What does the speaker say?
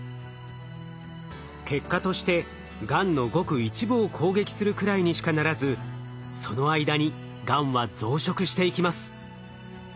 結果としてがんのごく一部を攻撃するくらいにしかならずその間にがんは増殖していきます。